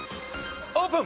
オープン！